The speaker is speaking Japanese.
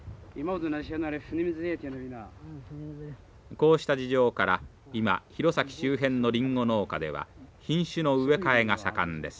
こうした事情から今弘前周辺のリンゴ農家では品種の植え替えが盛んです。